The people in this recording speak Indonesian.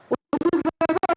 untuk mencari kebenaran